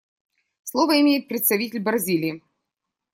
Слово имеет представитель Бразилии.